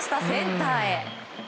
センターへ。